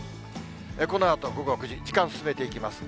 このあと午後９時、時間進めていきます。